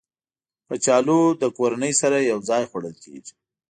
کچالو له کورنۍ سره یو ځای خوړل کېږي